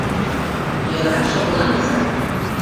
— Йӧра, шыпланыза!